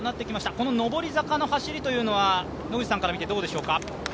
この上り坂の走りというのは野口さんから見てどうでしょうか？